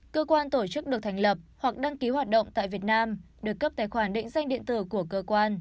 cơ quan tổ chức được thành lập hoặc đăng ký hoạt động tại việt nam được cấp tài khoản định danh điện tử của cơ quan